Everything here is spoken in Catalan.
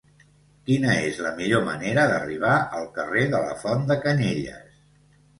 Quina és la millor manera d'arribar al carrer de la Font de Canyelles?